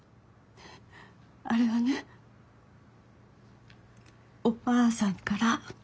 あれはねおばあさんから。